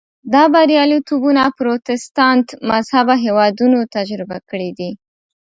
دا بریالیتوبونه پروتستانت مذهبه هېوادونو تجربه کړي دي.